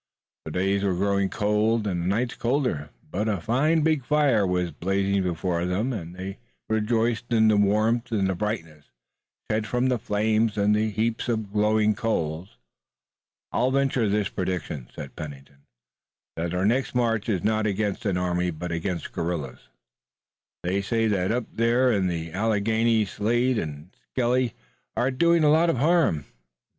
The days were growing cold and the nights colder, but a fine big fire was blazing before them, and they rejoiced in the warmth and brightness, shed from the flames and the heaps of glowing coals. "I'll venture the prediction," said Pennington, "that our next march is not against an army, but against guerrillas. They say that up there in the Alleghanies Slade and Skelly are doing a lot of harm.